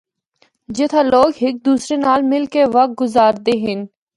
جتھا لوگ ہک دوسرے نال مل کے وقت گزاردے ہن۔